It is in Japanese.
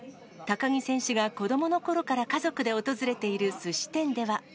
高木選手が子どものころから家族で訪れているすし店では。